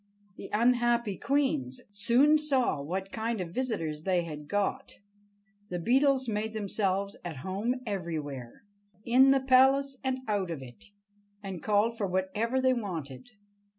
The unhappy queens soon saw what kind of visitors they had got. The Beetles made themselves at home everywhere—in the palace and out of it—and called for whatever they wanted.